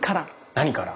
何から。